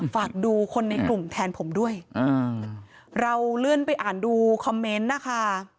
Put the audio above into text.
ฝากดูคนในกลุ่มแทนผมด้วยเราเลื่อนไปอ่านดูคอมเมนต์นะคะ